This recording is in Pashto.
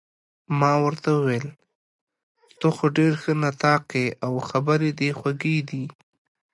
ما ورته وویل: ته خو ډېر ښه نطاق يې، او خبرې دې خوږې دي.